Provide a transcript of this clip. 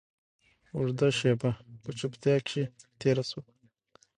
اوږده شېبه په چوپتيا کښې تېره سوه.